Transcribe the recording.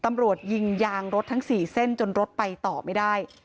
ตำรวจยิงยางรถทั้ง๔เส้นจนรถไปต่อไม่ได้